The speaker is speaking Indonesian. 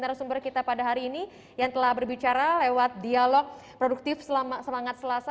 narasumber kita pada hari ini yang telah berbicara lewat dialog produktif semangat selasa